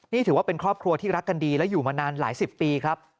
นี่ถือว่าเป็นครอบครัวที่รักกันดีและอยู่มานานหลายสิบปีครับ